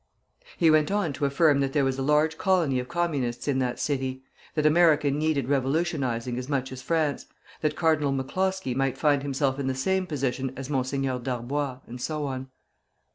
'" He went on to affirm that there was a large colony of Communists in that city; that America needed revolutionizing as much as France; that Cardinal McCloskey might find himself in the same position as Monseigneur Darboy; and so on.